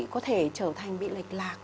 có thể trở thành bị lệch lạc